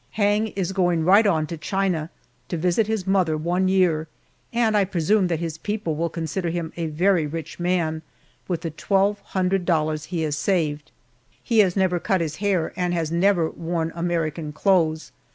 Hang is going right on to China, to visit his mother one year, and I presume that his people will consider him a very rich man, with the twelve hundred dollars he has saved. He has never cut his hair, and has never worn American clothes.